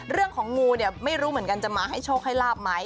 เรื่องของงูเนี่ยไม่รู้เหมือนกันจะมาให้โชคให้ลาบไหม